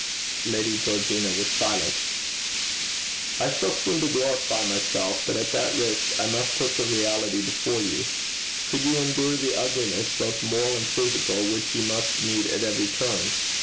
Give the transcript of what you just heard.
Lady Georgina was silent. 'I shall seem to glorify myself, but at that risk I must put the reality before you. Could you endure the ugliness both moral and physical which you must meet at every turn?